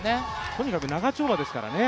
とにかく長丁場ですからね。